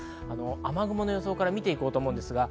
雨雲の予想から見ていきます。